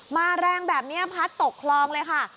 แรงแบบนี้พัดตกคลองเลยค่ะ